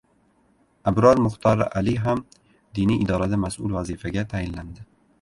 Abror Muxtor Aliy ham Diniy idorada mas’ul vazifaga tayinlandi